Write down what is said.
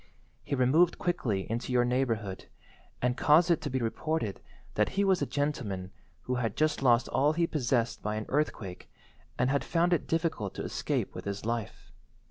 He removed quickly into your neighbourhood, and caused it to be reported that he was a gentleman who had just lost all he possessed by an earthquake and had found it difficult to escape with his life.